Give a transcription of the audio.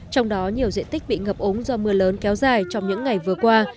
trong đó nhiều diện tích bị ngập ống do mưa lớn kéo dài trong những ngày vừa qua